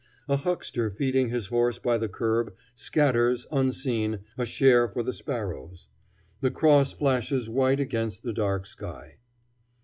A huckster feeding his horse by the curb scatters, unseen, a share for the sparrows. The cross flashes white against the dark sky.